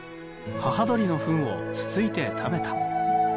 母鳥のふんをつついて食べた。